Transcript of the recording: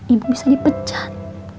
ibu bisa dipecat